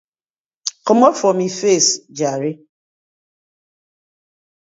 Komot for mi face jare.